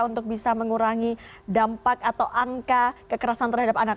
untuk bisa mengurangi dampak atau angka kekerasan terhadap anak